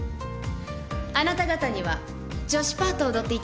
あなた方には女子パートを踊っていただきます。